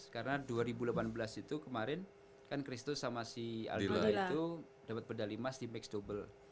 karena dua ribu delapan belas itu kemarin kan christo sama si aldila itu dapet medali emas di mixed double